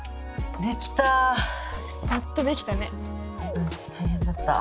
うん大変だった。